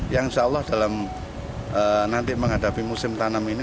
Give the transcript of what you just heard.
yang insya allah dalam nanti menghadapi musim tanam ini